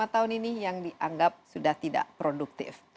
lima tahun ini yang dianggap sudah tidak produktif